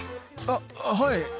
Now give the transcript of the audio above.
あっはい。